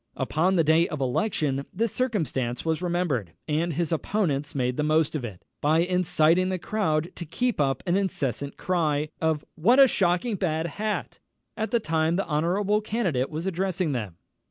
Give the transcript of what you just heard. _" Upon the day of election this circumstance was remembered, and his opponents made the most of it, by inciting the crowd to keep up an incessant cry of "What a shocking bad hat!" all the time the honourable candidate was addressing them.